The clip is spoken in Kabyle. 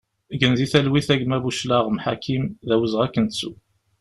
Gen di talwit a gma Buclaɣem Ḥakim, d awezɣi ad k-nettu!